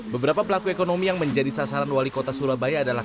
beberapa pelaku ekonomi yang menjadi sasaran wali kota surabaya adalah